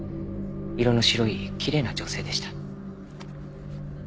色の白いきれいな女性でした。